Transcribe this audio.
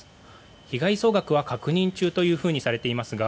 被害総額は確認中とされていますが